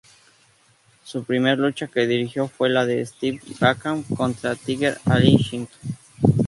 Su primer lucha que dirigió fue la de Steve Blackman contra Tiger Ali Singh.